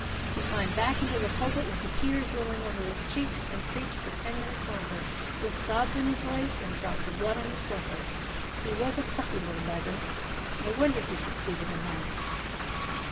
He climbed back into the pulpit, with the tears rolling over his cheeks, and preached for ten minutes longer, with sobs in his voice and drops of blood on his forehead. He was a plucky little beggar. No wonder he succeeded in life."